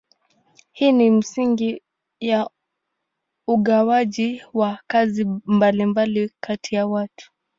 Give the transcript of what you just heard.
Hii ni msingi wa ugawaji wa kazi mbalimbali kati ya watu.